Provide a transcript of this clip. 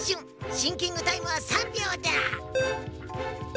シンキングタイムは３びょうだ！